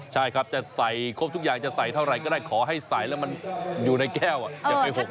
ใช่ครับจะใส่ครบทุกอย่างจะใส่เท่าไหร่ก็ได้ขอให้ใส่แล้วมันอยู่ในแก้วอ่ะจะไป๖ลินยาลาศด้วยกัน